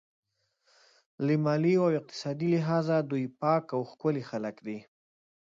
له مالي او اقتصادي لحاظه دوی پاک او ښکلي خلک دي.